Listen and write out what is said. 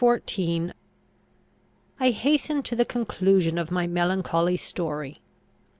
I hasten to the conclusion of my melancholy story.